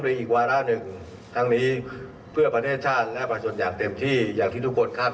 จนหลายนาทีเขจะจากคุณครับ